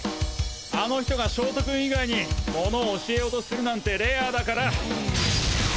あの人が焦凍くん以外にモノ教えようとするなんてレアだから。